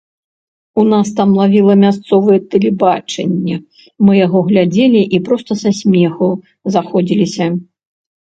У нас там лавіла мясцовае тэлебачанне, мы яго глядзелі і проста са смеху заходзіліся.